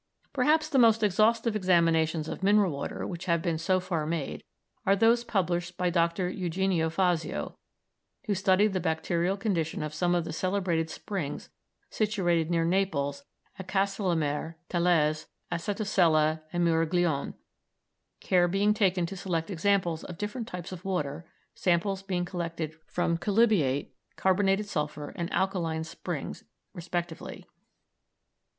Perhaps the most exhaustive examinations of mineral water which have been so far made are those published by Dr. Eugenio Fazio, who studied the bacterial condition of some of the celebrated springs situated near Naples at Castellamare, Telese, Acetosella, and Muraglione, care being taken to select examples of different types of water, samples being collected from chalybeate, carbonated sulphur, and alkaline springs respectively.